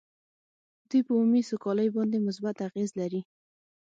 دوی په عمومي سوکالۍ باندې مثبت اغېز لري